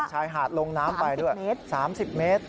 ลงใช้หาดลงน้ำซักสิบเมตร